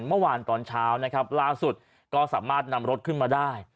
เมื่อวานตอนเช้านะครับล่าสุดก็สามารถนำรถขึ้นมาได้